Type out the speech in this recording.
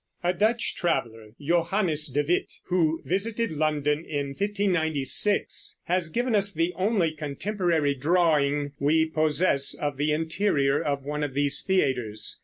A Dutch traveler, Johannes de Witt, who visited London in 1596, has given us the only contemporary drawing we possess of the interior of one of these theaters.